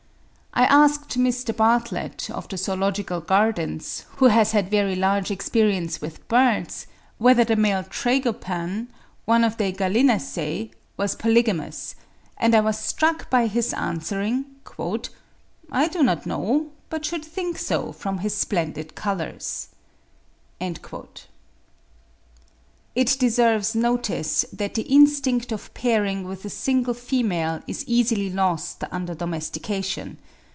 I asked Mr. Bartlett, of the Zoological Gardens, who has had very large experience with birds, whether the male tragopan (one of the Gallinaceae) was polygamous, and I was struck by his answering, "I do not know, but should think so from his splendid colours." It deserves notice that the instinct of pairing with a single female is easily lost under domestication.